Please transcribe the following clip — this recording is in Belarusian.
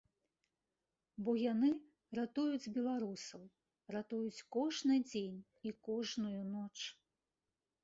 Бо яны ратуюць беларусаў, ратуюць кожны дзень і кожную ноч.